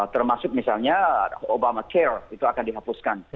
termasuk misalnya obamacare itu akan dihapuskan